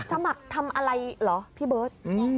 สมัครทำอะไรเหรอพี่เบิร์ต